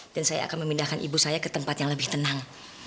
dan saya akan memindahkan ibu saya ke tempat yang lebih tenang